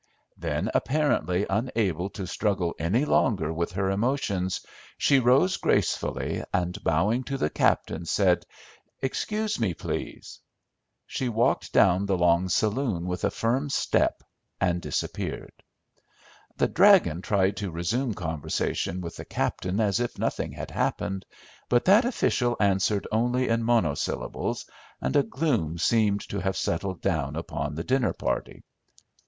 Then, apparently unable to struggle any longer with her emotions, she rose gracefully, and, bowing to the captain, said, "Excuse me, please." She walked down the long saloon with a firm step, and disappeared. The "dragon" tried to resume conversation with the captain as if nothing had happened; but that official answered only in monosyllables, and a gloom seemed to have settled down upon the dinner party.